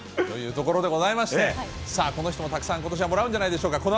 というところでございまして、さあ、この人もたくさんことしはもらうんじゃないでしょうか。